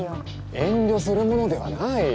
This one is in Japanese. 遠慮するものではない。